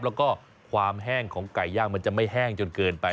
แล้วก็ความแห้งของไก่ย่างมันจะไม่แห้งจนเกินไป